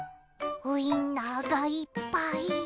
ウインナーがいっぱい！